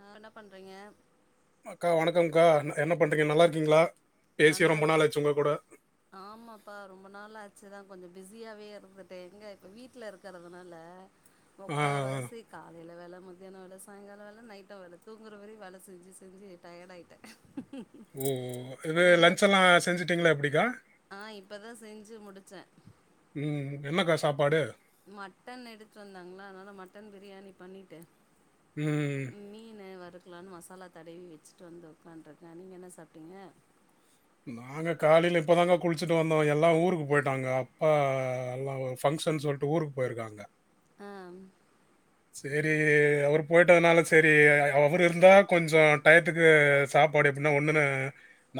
ஆ என்ன பண்றீங்க அக்கா வணக்கம்கா என்ன பண்ணுறீங்க நல்லா இருக்கீங்களா பேசி நல்லா ரொம்ப நாள் இருக்கோம் ஆச்சு உங்க கூட ஆமாப்பா ரொம்ப நாள் ஆச்சுதா கொஞ்ச பிஸியாவே இருந்துட்டே எங்க இப்ப வீட்டுல இருக் கறதுனால ஆ, முக்கா வாசிக் காலையில வேல மதியான வேல சாயங்கால வேல நைட்டு வேல தூங்குற வரையு வேல செஞ்சு செஞ்சு டயர்ட் ஆயிட்டே ம் ம் இது நீங்க என்ன லஞ்ன் பண் எல்லா செஞ்சுட்டிங்களா எப்டிக்கா ஆ இப்பதா செஞ்சு முடுச்சே ம் என்னக்கா சாப்பாடு மட்டன் எடுத்துட்டு வந்தாங்களா அதுனால மட்டன் பிரியாணி பண்ணிட்டு ம் மீனு வருத் க்கலான்னு மசாலா தடவி வெச்சுட்டு வந்து உக்காந்துருக்கே நீங்க என்ன சாப்ட்டீங்க நாங்க காலையில இப்போதாங்க குளிச்சுட்டு வந்தோ எல்லா ஊருக்கு போயிட்டோ அங்க அப்பா எல்லா ஒரு பங்க்ஷன் சொல்ட்டு ஊருக்கு போயிருக்காங்க ஆ ம் செரி அவரு போயிட்டதுனால செரி அவர் இருந்தா கொஞ்சோ டயத்துக்கு சாப்பாடு எப்டின்னா ஒண்ணுன்னு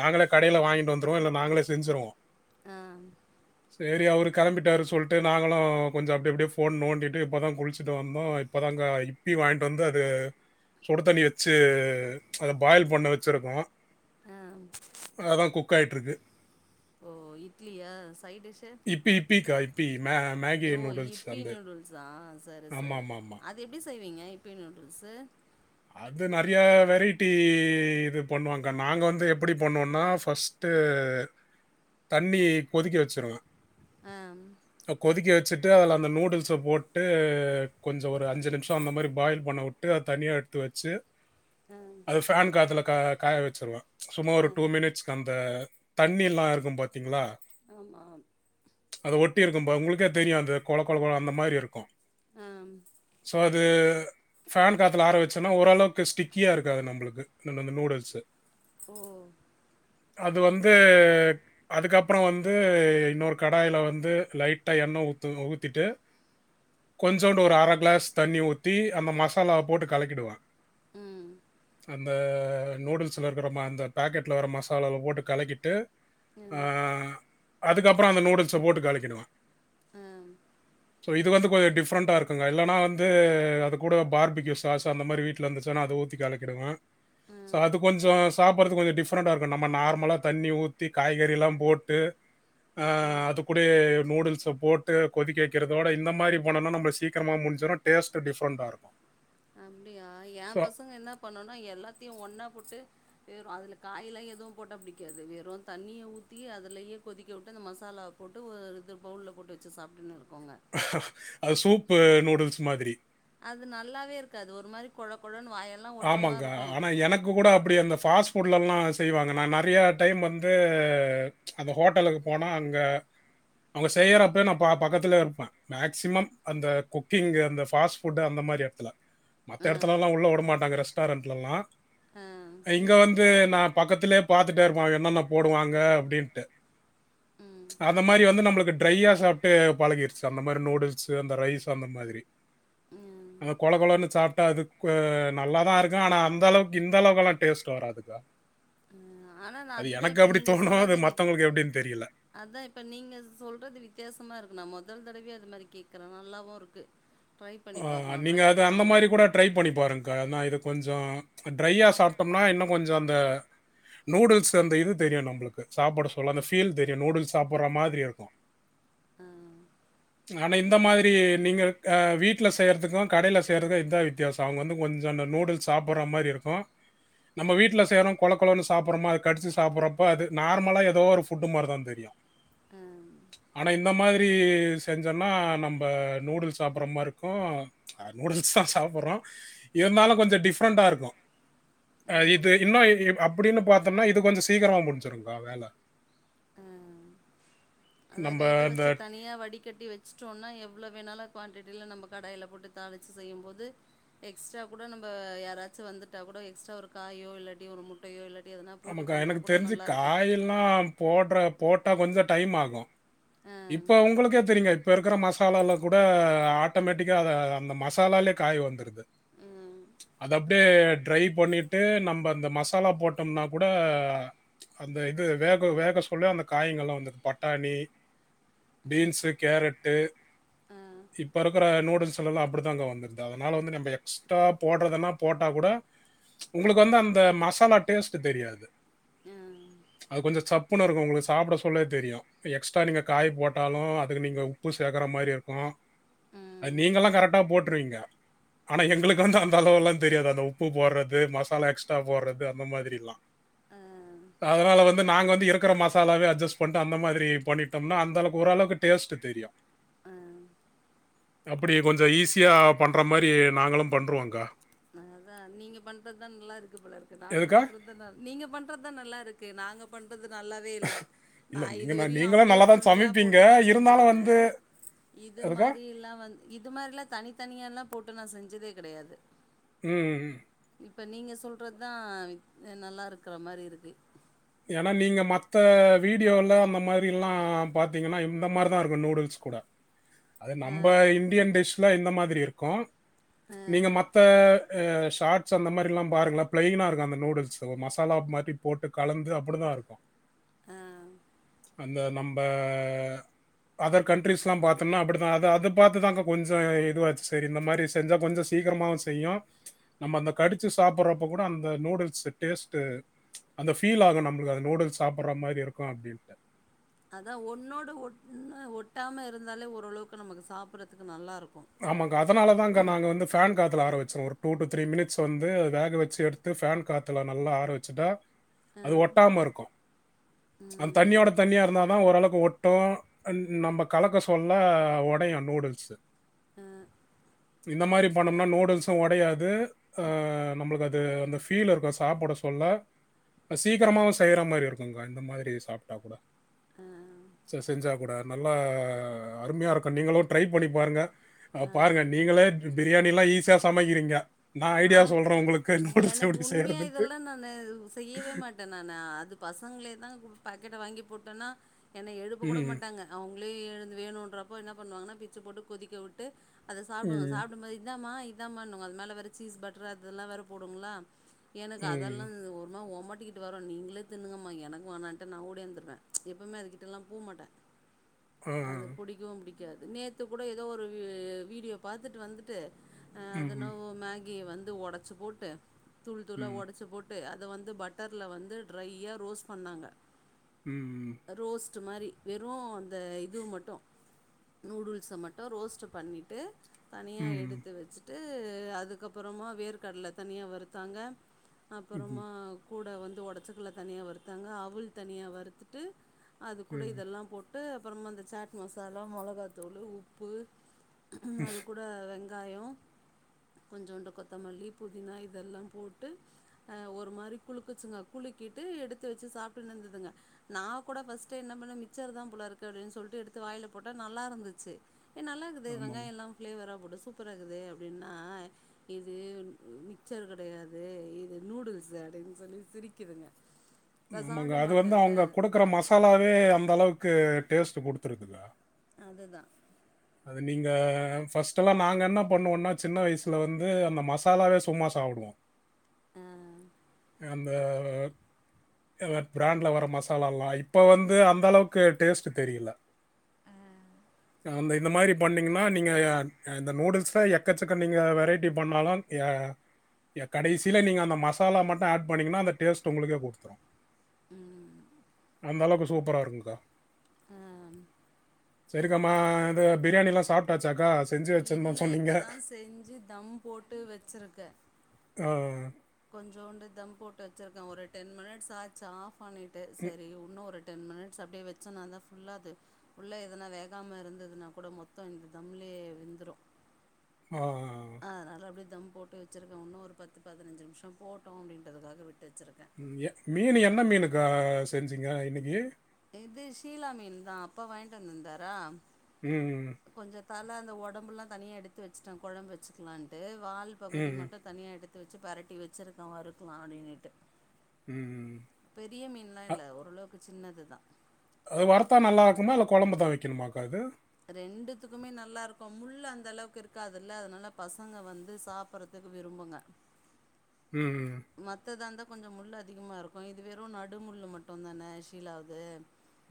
நாங்களே கடையில வாங்கிட்டு வந்துருவோ இல்ல நாங்களே செஞ்சுருவோ ஆ சேரி அவரு கெளம்பிட்டாரு சொல்ட்டு நாங்களு கொஞ்ச அப்டி அப்டியே ஃபோன் நோண்டிட்டு இப்பதா குளிச்சுட்டு வந் ஓ இப்பதாங்க இப்பி வாங்கிட்டு வந்து அது சுடு தண்ணி வச்சு அத பாயில் பண்ண வச்சுருக்கோ அ ம் அதா குக் ஆகிட்ருக்கு ஓ இட்லியா சைட்டிஷு இப்பி இப்பிக்கா இப்பி மே மேகி ஓ நூடுல்ஸ் இப்பி அந்த நூடுல் ஸ் ஆ சரி ஆமா சரி ஆமா ஆமா அது எப்டி செய்வீங்க இப்பி நூடுல்ஸு அது நெறையா வெரைட்டி இது பண்ணுவாங்க நாங்க வந்து எப்புடி பண்ணுவோன்னா ஃபஸ்ட் ட்டு தண்ணி கொதிக்க வச்சுர்லா அம் கொதிக்க வச்சுட்டு அதுல அந்த நூடுல்ஸ்ஸ போட்டு கொஞ்சோ ஒரு அஞ்சு நிம்ஷோ அந்த மாரி பாயில் பண்ண வுட் வுட்டு அத தனியா எடுத்து வச்சு ஆ அது ஃபேன் காத்துல கா காய வச்சுர்லா சும்மா ஒரு ஆ டூ மினிட்ஸ்க்கு அந்த தண்ணியெல்லா இருக்கு பாத்தீங்ளா ஆமா ஆம் அத ஒட்டி இருக்கும்பா உங்களுக்கே அது தெரியு அது கொழ கொழ கொழ அந்த மாரி இருக்கு ஆம் சோ அது ஃபேன் காத்துல ஆர வச் சுன்னா ஓரளவுக்கு ஸ்டிக்கியா இருக்காது நம்பளுக்கு நம்ப அந்த நூடுல்ஸு ஓ அது வந்து அதுக்கப்பறோ வந்து இன்னொரு கடாயில வந்து லைட்டா எண்ணெ ஊத்தணு கொஞ்சோண்டு ஒரு அரை க்ளாஸ் தண்ணி ஊத்தி அந்த மசாலாவ போட்டு கலக்கிடுவே ம் அந்த நூடுல்ஸ இருக்குற அந்த பா மசாலாவ பேக்கெட்டில் வர மசாலாவ போட்டு கலக்கிட்டு ஆ ம் அதுக்கப்பறோ அந்த நூடுல்ஸ போட்டு கழக்கிடுவே ஆ சோ இது வந்து கொஞ்சோ டிஃப்ரெண்ட்டாக இருக்குங்க இல்லன்னா வந்து அது கூட பார்பிக்யூஸ் சாஸ் அந்த மாரி வீட்ல இருந்துச்சின்னா நா அத ஊத்தி கலக்கிடுவே ஆ ஸோ அது கொஞ்சோ சாப்ட்றத்துக்கு கொஞ்சோ டிஃப்ரெண்டா இருக்கு நம்ம நார்மலா தண்ணி ஊத்தி காய்கறிலா போட்டு ஆ அது கூடயே நூடுல்ஸ போட்டு கொதிக்க வக்கிறதோட இந்த மாரி பண்ணுனோன்னா நம்மளுக்கு சீக்கிரமாக முடிஞ்சிரு டேஸ்ட் டிஃப்ரெண்ட்டா இருக்கு அப்டியா ஏ பசங்க என்ன பண்ணுன்னா எல்லாத்தையு ஒன்னா போட்டு வெறு அதுல காயெல்லா எதுவு போட்ட பிடிக்காது வெறு தண்ணிய ஊத்தி அதுலயே கொதிக்க விட்டு அந்த மசாலா போட்டு ஒரு இது பவுல்ல போட்டு வச்சி சாப்ட்டுன்னு இருக்குங்க அது சூப்பு நூடுல்ஸ் மாதிரி அது நல்லாவே இருக்காது ஒரு மாரி கொழ கொழன்னு வாயெல்லா ஓட்ற மாரி இருக்கு இப்ப கூட அப்டி அந்த ஃபுஸ்ட் ஃபுட்லல்லா செய்வாங்க நா நெறையா டைம் வந்து அந்த ஹோட்டலுக்கு போனா அங்க அவங்க செய்யறப்ப நா பா பக்கத்துலயே இருப்பே மேக்ஸிமம் அந்த குக்கிங் அந்த ஃபாஸ்ட் ஃபுட்டு் அந்த மாரி எடத்துல அ மத்த எடத்துலல்லா உள்ள விடமாட்டாங்க ரெஸ்டாரெண்ட்லல்லா அ இங்க வந்து நா பக்கத்துலயே பாத் துட்டே இருப்பே என்னென்ன போடுவாங்க அப்டின்ட்டு ம் அந்த மாரி வந்து நம்மளுக்கு ட்ரையா சாப்ட்டே பழகிருச்சி அந்த மாரி நூடுல்ஸ் அந்த ரைஸ் அந்த மாதிரி ம் அது கொழ கொழன்னு சாப்ட்டா அதுக்கு நல்லாதா இருக்கு ஆனா அந்த அளவுக்கு இந்த அளவுக்குல்லா டேஸ்ட் வராதுக்கா ம் ஆனா நா அது அதுதா எனக்கு இப்ப அப்டி நீங்க தோணு அது சொல்லத வித் மத்தவங்களுக்கு எப்டின்னு தெரியல அதா இப்ப நீங்க சொல்றது வித்தியாசமா இருக்கு நா மொதல் தடவயா அது மாரி கேக்குறே நல்லாவு இருக்கு ட்ரை பண்ணி ஆஹ் பாக்கணு ட்ரை நீங்க அது அந்த பண்ணணுல மாதிரி கூட ட்ரை பண்ணி பாருங்க்கா ஆனா இது கொஞ்சோ ட்ரையா சாப்ட்டோம்னா இன்னு கொஞ்சோ அந்த நூடுல்ஸ் அந்த இது தெரியு நம்பகளுக்கு சாப்ட சொல்ல அந்த ஃபீல் தெரியு நூடுல்ஸ் சாப்ட்ற மாதிரி இருக்கு அ ஆனா இந்த மாதிரி நீங்க அ வீட் ல செய்றதுக்கு கடையில செய்றதுக்கு இதா வித்தியாசோ அவங்க வந்து கொஞ்சோ அந்த நூடுல்ஸ் சாப்ட்ற மாரி இருக்கு நம்ம வீட்ல செய்றோ கொழ கொழன்னு சாப்ட்றோமா அது கடிச்சி சாப்டறப்போ அது நார்லாக ஏதோ ஒரு ஃபுட்டு மாரிதா தெரியு அ ஆனா இந்த மாரி செஞ்சோன்னா நம்ப நூடுல்ஸ் சாப்ட்ற மாரி இருக் கு ஆ நூடுல்ஸ் தா சாப்ட்றோ இருந்தாலு கொஞ்சோ டிஃப்ரெண்ட்டா இருக்கு ஆ ம் இது இன்னு அப்டின்னு பாத்தோன்னா இது கொஞ்சோ சீக்கரமா முடிஞ்சிருக்கா வேல அதா நம்ம வேக இந்த வச்சி தனியா வடிக் கட்டி வச்சிட்டோன்னா எவ்ளோ வேணாலு குவான்டிட்டில நம்ம கடாயில போட்டு தாளிச்சி செய்யும்போது எக்ஸ்ட்ரா கூட நம்ம யாராச்சு வந்துட்டா கூட எக்ஸ்ட்ரா ஒரு காயோ இல்லாட்டி ஒரு முட் டயோ இல்லாட்டி எதனா போட்டு பண்ணா கூட நல்லாருக்கு எல்லா போடுற போட்டா கொஞ்சோ டைம் ஆகு அ, இப்ப உங்களுக்கே தெரியுங்க இப்ப இருக்குற மசாலால கூட ஆட்டோமேட்டிக்கா அத அந்த மசாலாலயே காய் வந்து ர்து ம், அத அப்டியே ட்ரை பண்ணிட்டு நம்ம அந்த மசாலா போட்டம்னா கூட அந்த இது வேக வேக சொல்ல அந்த காயங்கள்லா வந்துர்து பட்டாணி பீன்ஸ் கேரட்டு அ, இப்ப இருக்குற நூடுல்ஸ்லல்லா அப்டித்தாங்க வந்து அதனால வந்து நம்ம எக்ஸ்ட்ரா போட்றதுனா போட்டா கூட உங்களுக்கு வந்து அந்த மசாலா டேஸ்ட் தெரியாது அ, அது கொஞ்சோ சப்புன்னு இருக்கு உங்களுக்கு சாப்ட சொல்லே தெரியு எக்ஸ்ட்ரா நீங்க காய் போட்டாலு அதுக்கு நீங்க உப்பு சேக்கற மாரி இருக்கு அது ம், நீங்கலா கரெக்டா போட்ருவீங்க ஆனா எங்களுக் வந்து அந்த அளவுலா தெரியாது அந்த உப்பு போட்றது மசாலா எக்ஸ்ட்ரா போட்றது அந்த மாதிரிலா அ, அதனால வந்து நாங்க வந்து இருக்கற மசாலாவே அட்ஜஸ்ட் பண்ட்டு அந்த மாரி பண்ணிட் டோம்னா அந்தளவுக் ஓரளவுக்கு டேஸ்ட் தெரியு அ. அப்பிடி கொஞ்சொ ஈஸியா பண்ற மாரி நாங்களு பண்றுவோக்கா ஆ நீங்க பண்றதுதா நல்லாருக்கு போலருக்கு நாங்க எதுக்கா பண்றது நீங்க பண்றதுதா நல்லாருக்கு நாங்க பண்றது நல்லாவே இல்ல நா இல்ல நீங்க இதுவரையு நீங்களும் அப்டியே நல்லா தான் ஃபுல்லா சமைப்பீங்க போட்டுதா இருந்தாலும் செஞ்சிருக்க வந்து இது எதுக்கா மாரிலா வந்து இது மாரிலா தனித்தனியாலா போட்டு நா செஞ்சதே கடையாது ம் ம் ம் இப்ப நீங்க சொல்றதுதா நல்லா இருக்கற மாரி இருக்கு ஏனா நீங்க மத்த வீடியோலா அந்த மாரில்லா பாத்தீங்கனா இந்த மாரிதா இருக்கு நூடுல்ஸ் கூட அது ஆ, நம்ப இன்டியன் டிஷ்ல இந்த மாதிரி இருக்கு ஆ, நீங்க மத்த அ ஷார்ட்ஸ் அந்த மாரிலா பாருங்கள ப்ளைனா இருக்கு அந்த நூடுல்ஸ் த ஒரு மசாலா மாரி போட்டு கலந்து அப்பிடிதா இருக்கு ஆ. அந்த நம்ப அதர் கண்ட்ரிஸ்லா பாத்தோம்னா அப்பிடிதா அதா அத பாத்துதாங்க கொஞ்சொ இதுவாச்சு செரி இந்த மாரி செஞ்சா கொஞ்சொ சீக்கறமாவு செய்யு நம்ம அந்த கடிச்சி சாப்புடறப்போ கூட அந்த நூடுல்ஸ் டேஸ்ட்டு அந்த ஃபீல் ஆகு நம்பளுக்கு அது நூடுல்ஸ் சாப்பிட்ற மாரி இருக்கு அப்டின்ட்டு அதா ஒன்னோடு ஒட்ன்னு ஒட்டாம இருந்தாலே ஓரளவுக்கு நமக்கு சாப்புறதுக்கு நல்லாருக்கு ஆமாங்கா அதனால தாங்க நாங்க வந்து ஃபேன் காத்துல ஆர வெச்சிருவோ ஒரு டு, த்ரீ மினிட்ஸ் வந்து வேக வெச்சு எடுத் து ஃபேன் காத்துல நல்லா ஆர வெச்சுட்டா ஆ, அது ஒட்டாம இருக்கு அந் ம், தண்ணியோட தண்ணியா இருந்தா தா ஓரளவுக்கு ஒட்டு அ ன் நம்ப கலக்க சொல்ல ஒடையு நூடுல்ஸு ஆ இந்த மாரி பண்ணம்னா நூடுல்ஸு ஒடையாது ஆ நம்பளுக்கு அது அந்த ஃபீல் இருக்கு சாப்பிட சொல்ல சீக்கிரமாவு செய்ற மாரி இருக்குங்க்கா இந்த மாதிரி சாப்ட்டா கூட செ செஞ்சா கூட நல்லா அருமையாருக்கு நீங்களு ட்ரை பண்ணி பாருங்க அ நான் பாருங்க ட்ரை பண்ணேன் நீங்களே பிரியாணிலா ஈஸியா சமைக்கிறீங்க நான் ஐடியா ஆம் சொல்றேன் உங்களுக்கு நூடுல்ஸ் எனக்கு எப்படி உண்மயா செய்யறதுன்ட்டு இதெல்லா நானு செய்யவே மாட் ட நானு அது பசங்ளே தா கு பாக்கெட்ட வாங்கி போட்டோனா என்ன எழுப்ப கூட ம் மாட்டாங்க அவங்களே எழுந்து வேணுன்றப்போ ன்ன பண்ணுவாங்கனா பிச்சு போட்டு கொதிக்க வுட்டு அத சாப்ட்ருங்க ம் சாப்டும்போது இத்தமா இத்தமாங்கன்னுங்க அது மேலே வேற சீஸ் பட்டர் அதெல்லா வேற போடுங்களா எனக்கு அதெல்லா ம் ஒருமா ஒமட்டிகிட்டு வரு நீங்களே தின்னுங்கமா எனக்கு வானான்ட்டு நா ஓடியாந்துருவே எப்பவுமே அது கிட்டலா போமாட்டே ஆ, அது புடிக்கவு புடிக்காது நேத்து கூட எதோ ஒரு வி வீடியோ பாத்துட்டு வந்துட்டு அ ம் அதின்னவோ மேகி வந்து ஒடைச்சு போட்டு தூள் துளா ம் ஒடைச்சு போட் ட்டு அத பட்டர்ல வந்து ட்ரைய்யா ரோஸ்ட் பண்ணாங்க ம் ம் ரோஸ்ட் மாரி வெறு அந்த இதுவு மட்டு நூடுல்ஸ மட்டு ரோஸ்ட் பண்ணிட்டு தனியா ம் எடுத்து வெச்சுட்டு அதுக்கப்பறமா வேர்க்கடல தனியா வறுத்தாங்க இது, அப்புறமா கூட வந்து ஒடச்சக்கல்ல தனியா வறுத்தாங்க அவுல் தனியா வறுத்துட்டு அது கூட ம் இதெல்லா போட்டு அப்புறமா இந்த சாட் மசாலா மெளகாத்துளு, உப்பு அது கூட வெங்காயம் கொஞ்சோண்டு கொத்தமல்லி புதினா இதெல்லா போட்டு அ ஒரு மாரி குலுக்குச்சுங்க குலுக்கிட்டு எடுத்து வச்சு சாப்ட்டுன்னு இருந்துதுங்க நா கூட ஃபர்ஸ்ட்டு என்ன பண்ண மிச்சர் தா போல இருக்கு அப்படின்னு சொல்லிட்டு எடுத்து வாயில போட்டா நல்லா இருந்துச்சு ஏ நல்லா இருக்குதே ஆமாங்க வெங்காயோ எல்லா ஃப்ளேவரா போட்டு சூப்பரா இருக்குதே அப்டின்னா இது மிக்சர் கெடையாது இது நூடுல்ஸு அப்டின்னு சொல்லி சிரிக்குதுங்க நான் ஆமாங்க சாப்பிட அது வந்து மாட்டேன்ல அவுங்க குடுக்குற மசா மசாலாவே அந்த அளவுக்கு டேஸ்ட்டு குடுத்துருதுல்ல அதுதா அது நீங்க ஃபர்ஸ்ட்டெல்லா நாங்க என்ன பண்ணுவோன்னா சின்ன வயசுல வந்து அந்த மசாலாவே சும்மா சாப்டுவோ அ அந்த பிராண்ட்ல வர மசாலா எல்லா இப்ப வந்து அந்த அளவுக்கு டேஸ்ட்டு தெரியல அ அந்த இந்த மாரி பண்ணிங்கன்னா நீங்க இந்த நூடுல்ஸ்ல எக்கச்சக்க நீங்க வெரைட்டி பண்ணாலு அ கடைசியில நீங்க அந்த மசாலா மட்டு ஆட் பண்ணீங்கன்னா அந்த டேஸ்ட்டு உங்களுக்கே குடுத்துரு ம் அந்த அளவுக்கு சூப்பராக இருக்குங்க்கா ம் சரிக்கா மா இது பிரியாணில்லா சாப்ட்டாச்சாக்கா இல்ல இப்ப தா செஞ்சு தம் போட்டு வச்சிருக்க ஆ கொஞ்சோண்டு தம் போட்டு வச்சிருக்க ஒரு டென் மினிட்ஸ் ஆச்சு ஆஃப் பண்ணிட்டு சரி இன்னு ஒரு டென் மினிட்ஸ் அப்டியே வச்சன்னா தா ஃபுல்லாது உள்ள எதனா வேகாம இருந்ததுன்னா கூட மொத்தம் இந்த தம்லயே வெந்துரு ஆ ஆ ஆ அதனால அப்படி தம் போட்டு வச்சுருக்க ஒன்னும் ஒரு பத்து பதினஞ்சு நிமிஷம் போட்டும் அப்டின்றதுக்காக விட்டு வச்சுருக்க ம் மீனு என்ன மீனுக்கா செஞ்சிங்க இன்னைக்கி இது ஷீலா மீன் தான் அப்பா வாங்கிட்டு வந்திருந்தாரா ம் ம் ம் கொஞ்சம் தல அந்த உடம்புல்லா தனியா எடுத்து வச்சுட்ட கொழம்பு வச்சுக்கலான்ட்டு வால் ம் பகுதி மட்டும் தனியா எடுத்து வச்சு பெரட்டி வச்சுருக்க வறுக்கலா அப்டின்னுட்டு ம் ம் பெரிய மீன்லா அ- இல்ல ஓரளவுக்கு சின்னதுதா அது வருத்தா நல்லா இருக்குமா இல்ல குழம்பு தான் வைக்கணுமாக்கா இது ரெண்டுத்துக்குமே நல்லா இருக்கும் முள் அந்த அளவுக்கு இருக்காதுல்ல அதனால பசங்க வந்து சாப்ட்றது துக்கு விரும்புங்க ம் ம் மத்ததா இருந்தா கொஞ்சம் முள் அதிகமா இருக்கும் இது வெறும் நடு முள்ளு மட்டும்தான ஷீலாவுது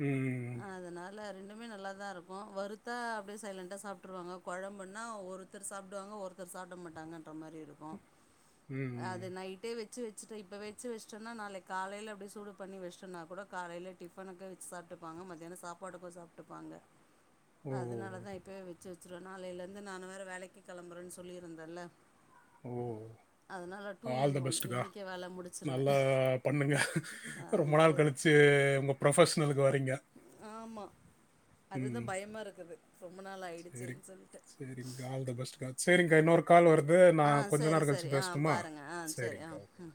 ம் ம் ம் அதனால ரெண்டுமே நல்லா தா இருக்கும் வருத்தா அப்டியே சைலண்ட்டா சாப்ட்டுருவாங்க கொழம்புனா ஒரு ஒருத்தர் சாப்டுவாங்க ஒருத்தர் சாப்ட மாட்டாங்கன்ற மாரி இருக்கும் அது ம். நைட் டே வச்சு வச்சுட்ட இப்ப வச்சு வச்சுட்டனா நாளை காலையில அப்டி சூடு பண்ணி வச்டோனா கூட காலையில டிஃபனுக்கு வச்சு சாப்டுப்பாங்க மத்தியானம் சாப்பாடுக்கும் சாப்ட்டுப்பாங்க ஓ! அதனாலதா இப்பயவே வச்சு வச்சுருவே நாளைலேருந்து நானு வேற வேலைக்கு கெளம்புறேன்னு சொல்லியிருந்தேல்ல அதனால டூ இன் ஒன் ட்டுகா இன்றைக்கே வேலை முடிச்சிருவேன் நல்லா பண்ணுங்க ஆ ரொம்ப நாள் சரி கழிச்சி உங்க ஃப்ரொபஷ்னலுக்கு வரீங்க ஆமா அதுதா ம். பயமா இருக்குது ரொம்ப நாள் ஆயிடுச்சுன் சொல்லிட்டு செரிங்க்கா ஆல்த பெஸ்ட்க்கா செரிங்க்கா இன்னொரு கால் வருது ஆ நான் கொஞ்ச செரி நேரம் செரி கழிச்சு ஆ பேசட்டுமா? பாருங்க ஆ செரி ஆ சரிங்கக்கா. ஓகே. ம்